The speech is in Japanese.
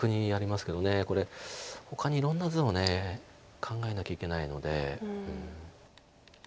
これほかにいろんな図を考えなきゃいけないので。